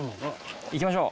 行きましょう。